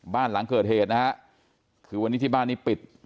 บ้านหลังเกิดเหตุนะฮะคือวันนี้ที่บ้านนี้ปิด